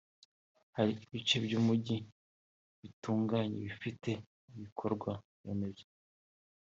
Hari ibice by’umujyi bitunganye bifite ibikorwa remezo